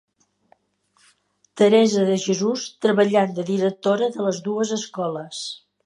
Teresa de Jesús treballant de directora de les dues escoles.